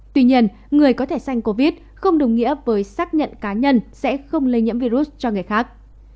tuy nhiên người có thể xanh covid không đồng nghĩa với xác nhận cá nhân sẽ không lây nhiễm virus cho người khác